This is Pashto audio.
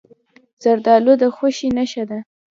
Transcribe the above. زردالو د خوښۍ نښه ده.